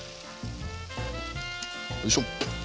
よいしょ。